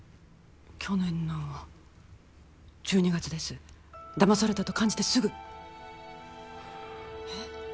去年の１２月ですだまされたと感じてすぐえっ？